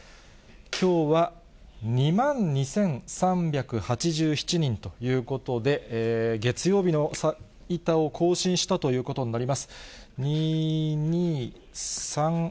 きょうは２万２３８７人ということで、月曜日の最多を更新したということになります。